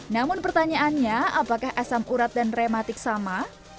namun pertanyaannya apakah asam urat dan reumatik sama